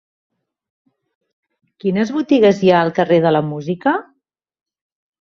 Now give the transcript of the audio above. Quines botigues hi ha al carrer de la Música?